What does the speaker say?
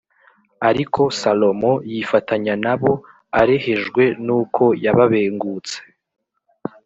Ariko Salomo yifatanya na bo arehejwe n’uko yababengutse